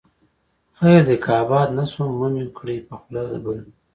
خير دى که آباد نه شوم، مه مې کړې په خوله د بل